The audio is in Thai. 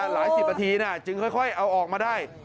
หลายสิบนาทีจึงค่อยเอาออกมาได้